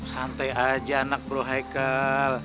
santai aja anak bro haikal